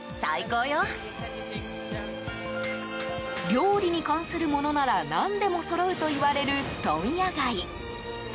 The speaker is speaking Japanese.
料理に関するものなら何でもそろうといわれる問屋街。